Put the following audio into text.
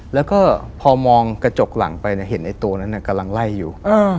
แล้วก็พอมองกระจกหลังไปเห็นไอ้ตัวนั้นกำลังไล่อยู่